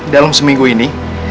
dalam seminggu ini